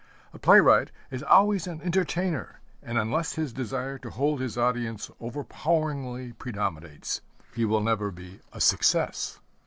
A playwright is always an entertainer, and unless his desire to hold his audience overpoweringly predominates, he will never be a success.